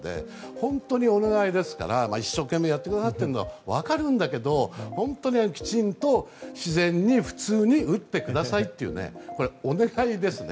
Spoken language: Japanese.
本当にお願いですから一生懸命やってくださっているのは分かるんだけど本当にきちんと、自然に普通に打ってくださいっていうこれ、お願いですね。